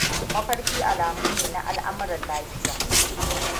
Mafarki alamu ne na al'amuran lafiya.